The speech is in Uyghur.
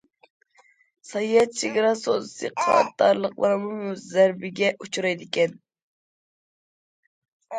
ساياھەت، چېگرا سودىسى قاتارلىقلارمۇ زەربىگە ئۇچرايدىكەن.